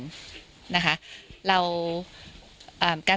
เราการแสดงออกมาก